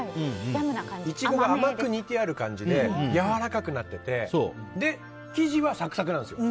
イチゴが甘く煮てある感じでやわらかくなってて生地はサクサクなんですよ。